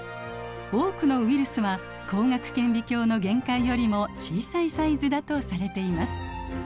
多くのウイルスは光学顕微鏡の限界よりも小さいサイズだとされています。